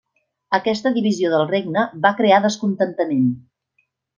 Aquesta divisió del regne va crear descontentament.